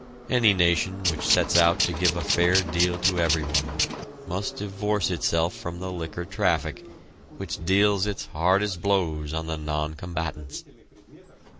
Any nation which sets out to give a fair deal to everyone must divorce itself from the liquor traffic, which deals its hardest blows on the non combatants.